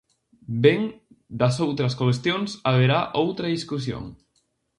Ben, das outras cuestións haberá outra discusión.